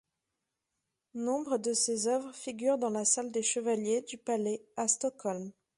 Nombre de ses œuvres figurent dans la salle des chevaliers du Palais à Stockholm.